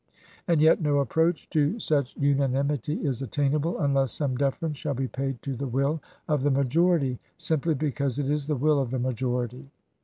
And yet no approach to such una nimity is attainable unless some deference shall be paid to the will of the majority, simply because it is the will of the majority.